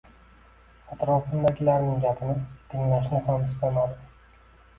Atrofimdagilarning gapini tinglashni ham istamadim